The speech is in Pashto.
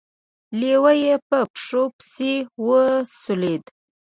لېوه يې په پښو پسې وسولېد.